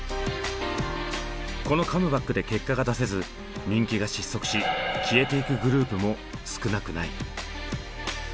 このカムバックで結果が出せず人気が失速し消えてゆくグループも少なくない。